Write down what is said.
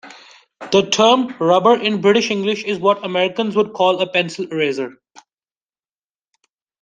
The term rubber in British English is what Americans would call a pencil eraser